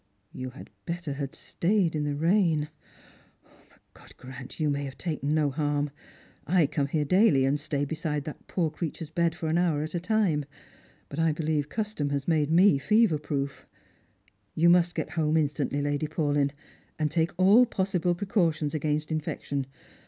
" You had better have stayed in the rain. But God grant that yon may have taken no harm! I come here daily, and stay beside that poor creature's bed for aji hour at a time. But I believe custom has made me fever proof You must get home instantly, Lady Paulyn ; and take all possible precautions against infection.